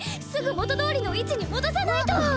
すぐ元どおりの位置に戻さないと！